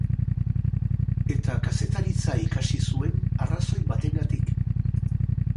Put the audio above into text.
Eta kazetaritza ikasi zuen, arrazoi batengatik.